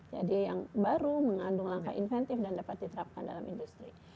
jadi yang baru mengandung langkah inventif dan dapat diterapkan dalam industri